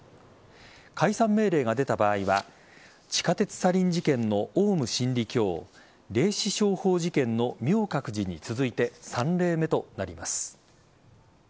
解散命令が出た場合は地下鉄サリン事件のオウム真理教霊視商法事件の明覚寺に続いて３例目となります。